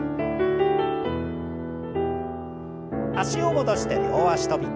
脚を戻して両脚跳び。